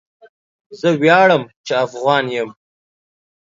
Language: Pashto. زه وياړم چي افغان یم